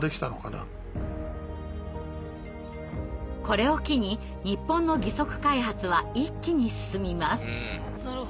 これを機に日本の義足開発は一気に進みます。